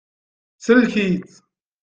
Sellek-itt.